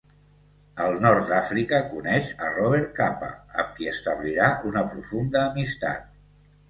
Al nord d'Àfrica coneix a Robert Capa amb qui establirà una profunda amistat.